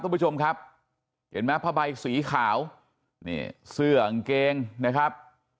คุณผู้ชมครับเห็นไหมผ้าใบสีขาวนี่เสื้อกางเกงนะครับ